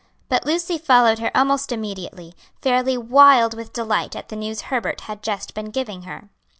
But Lucy followed her almost immediately, fairly wild with delight at the news Herbert had just been giving her.